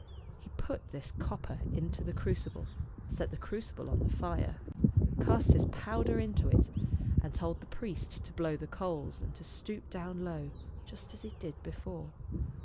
He put this copper into the crucible, set the crucible on the fire, cast his powder into it, and told the priest to blow the coals, and to stoop down low, just as he did before.